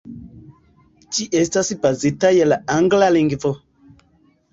Ĝi estas bazita je la angla lingvo.